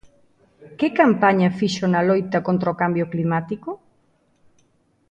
¿Que campaña fixo na loita contra o cambio climático?